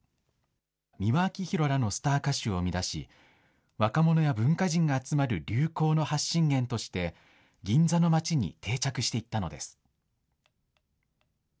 美輪明宏らのスター歌手を生み出し、若者や文化人が集まる流行の発信源として、銀座の街に定着していったのです。